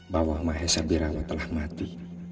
bahwa mahesa birawa telah mati